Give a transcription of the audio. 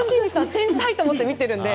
天才だと思って見ているんで。